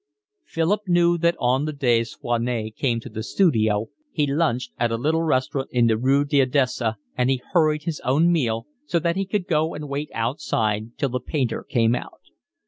Philip knew that on the days Foinet came to the studio he lunched at a little restaurant in the Rue d'Odessa, and he hurried his own meal so that he could go and wait outside till the painter came out.